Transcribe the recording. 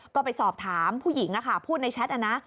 ก็ไปสอบถามผู้หญิงพูดในแชทนะ